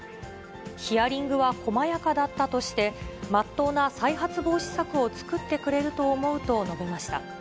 ヒアリングは細やかだったとして、まっとうな再発防止策を作ってくれると思うと述べました。